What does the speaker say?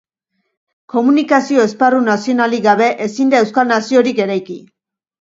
Komunikazio esparru nazionalik gabe, ezin da euskal naziorik eraiki.